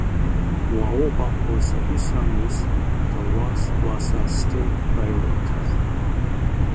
Moreover, for the Isma'ilis, da'wa was a state priority.